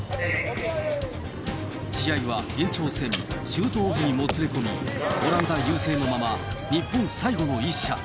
試合は延長戦、シュートオフにもつれ込み、オランダ優勢のまま、日本、最後の１射。